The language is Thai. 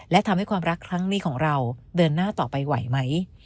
และทำให้ความรักครั้งนี้ของเราเดินหน้าต่อไปไหวไหม